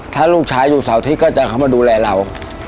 ถ้าลูกชายอยู่เสาร์อาทิตย์ก็จะเข้ามาดูแลเรา